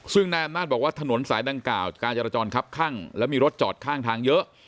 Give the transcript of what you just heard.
ซึ่งนายอำนาจบอกว่าถนนสายดังกล่าวการจราจรคับข้างและมีรถจอดข้างทางเยอะ